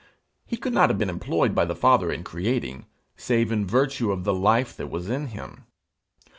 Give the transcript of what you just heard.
He could not have been employed by the Father in creating, save in virtue of the life that was in him.